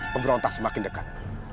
pemberontak semakin dekat